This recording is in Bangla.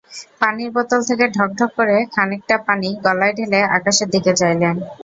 পানির বোতল থেকে ঢকঢক করে খানিকটা পানি গলায় ঢেলে আকাশের দিকে চাইলেন।